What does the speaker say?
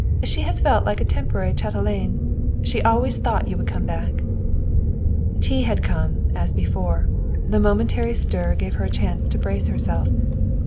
She has felt like a temporary chatelaine. She always thought you would come back." Tea had come, as before. The momentary stir gave her a chance to brace herself. Mr.